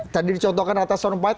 tadi dicontohkan ratna sarompel